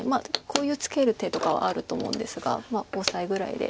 こういうツケる手とかはあると思うんですがオサエぐらいで。